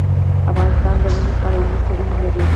افغانستان د منی په اړه علمي څېړنې لري.